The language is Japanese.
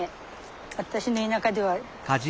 私の田舎では。